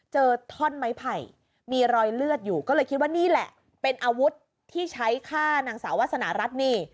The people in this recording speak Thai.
ท่อนไม้ไผ่มีรอยเลือดอยู่ก็เลยคิดว่านี่แหละเป็นอาวุธที่ใช้ฆ่านางสาววาสนารัฐนี่